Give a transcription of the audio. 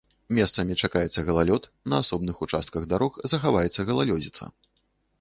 Месцамі чакаецца галалёд, на асобных участках дарог захаваецца галалёдзіца.